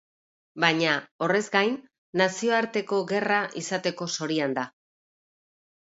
Baina, horrez gain, nazioarteko gerra izateko zorian da.